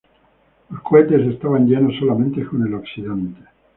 Los cohetes estaban llenos solamente con el oxidante.